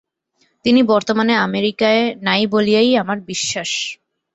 তিনি বর্তমানে আমেরিকায় নাই বলিয়াই আমার বিশ্বাস।